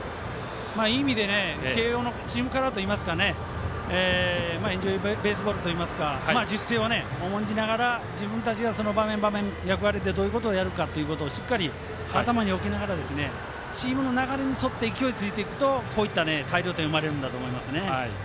いい意味で慶応のチームカラーといいますか「エンジョイ・ベースボール」といいますか自主性を重んじながら自分たちが場面、場面どういうことをやるかを頭に入れながらチームの勢いに沿っていくとこういう大量点が生まれるんだと思いますね。